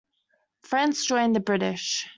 France joined the British.